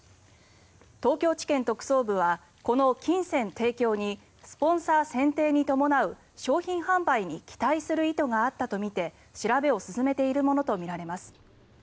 東京地検特捜部はこの金銭提供にスポンサー選定に伴う商品販売に期待する意図があったとみて調べを進めているものとみられます。